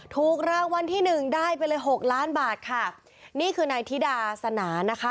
ถูกรางวัลที่หนึ่งได้ไปเลยหกล้านบาทค่ะนี่คือนายธิดาสนานะคะ